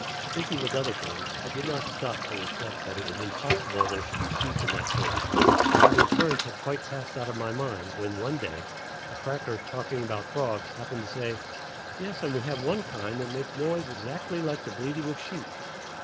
Busy with other things, I did not stop to reflect that it was impossible there should be sheep in that quarter, and the occurrence had quite passed out of my mind when, one day, a cracker, talking about frogs, happened to say, "Yes, and we have one kind that makes a noise exactly like the bleating of sheep."